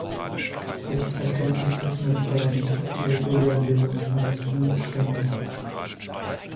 Selbstverständlich dürfen wir uns dabei nicht auf die regulären Bildungseinrichtungen beschränken.